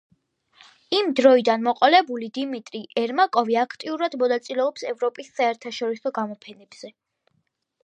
იმ დროიდან მოყოლებული დიმიტრი ერმაკოვი აქტიურად მონაწილეობს ევროპის საერთაშორისო გამოფენებზე.